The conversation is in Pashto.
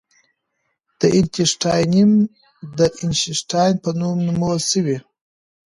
د اینشټاینیم د اینشټاین په نوم نومول شوی.